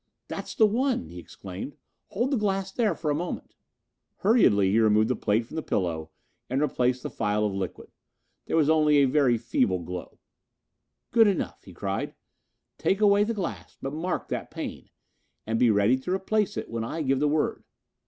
"That's the one," he exclaimed. "Hold the glass there for a moment." Hurriedly he removed the plate from the pillow and replaced the phial of liquid. There was only a very feeble glow. "Good enough," he cried. "Take away the glass, but mark that pane, and be ready to replace it when I give the word."